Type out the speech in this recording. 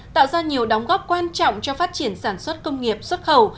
tạo ra nhiều đóng góp quan trọng cho phát triển sản xuất công nghiệp xuất khẩu